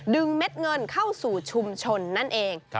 เม็ดเงินเข้าสู่ชุมชนนั่นเอง